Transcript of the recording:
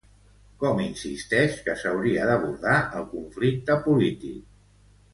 Com insisteix que s'hauria d'abordar el conflicte polític?